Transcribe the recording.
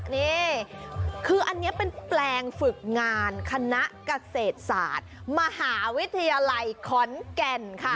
นี่คืออันนี้เป็นแปลงฝึกงานคณะเกษตรศาสตร์มหาวิทยาลัยขอนแก่นค่ะ